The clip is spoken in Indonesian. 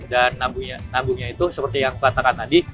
dan nabungnya itu seperti yang aku katakan tadi